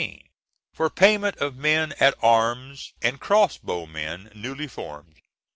For payment of men at arms and crossbowmen newly formed